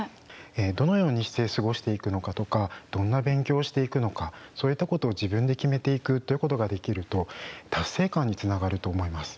どのようにして過ごしていくのかとかどんな勉強をしていくのかそういったことを自分で決めていくことができると達成感につながると思います。